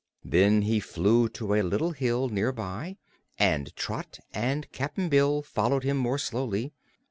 Then he flew to a little hill, near by, and Trot and Cap'n Bill followed him more slowly.